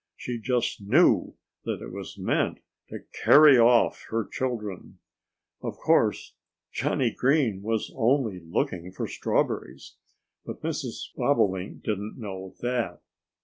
She just knew that it was meant to carry off her children! Of course Johnnie Green was only looking for strawberries. But Mrs. Bobolink didn't know that.